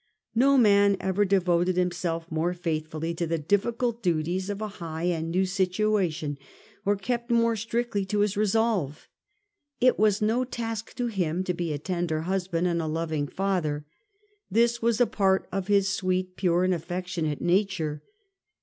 No man ever devoted himself more faithfully to the difficult duties of a high and a new situation, or kept more strictly to his resolve. It was no task to him to be a tender hus band and a loving father. This was a part of his sweet, pure and affectionate nature.